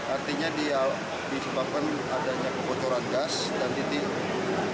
artinya dia disebabkan adanya kebocoran gas dan titik